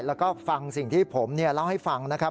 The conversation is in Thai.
แล้วก็ฟังสิ่งที่ผมเล่าให้ฟังนะครับ